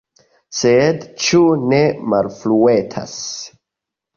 Sed ĉu ne malfruetas?